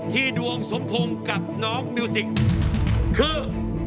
ดวงสมพงษ์กับน้องมิวสิกคือ